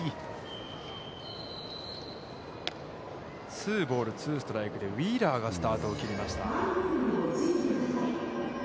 ツーボール、ツーストライクで、ウィーラーがスタートを切りました。